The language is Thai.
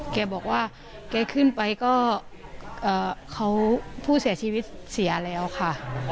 แกบอกว่าแกขึ้นไปก็เขาผู้เสียชีวิตเสียแล้วค่ะ